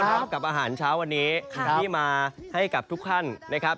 กับอาหารเช้าวันนี้ที่มาให้กับทุกท่านนะครับ